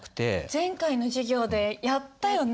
前回の授業でやったよね